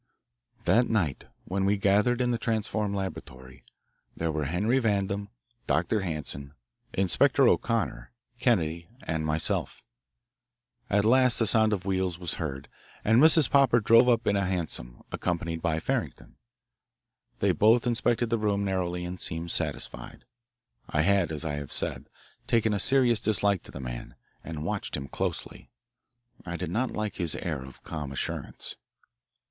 That night, when we gathered in the transformed laboratory, there were Henry Vandam, Dr. Hanson, Inspector O'Connor, Kennedy, and myself. At last the sound of wheels was heard, and Mrs. Popper drove up in a hansom, accompanied by Farrington. They both inspected the room narrowly and seemed satisfied. I had, as I have said, taken a serious dislike to the man, and watched him closely. I did not like his air of calm assurance.